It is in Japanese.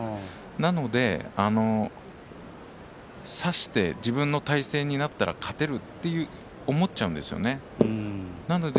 なので差して自分の体勢になったら勝てると思っちゃうんですね。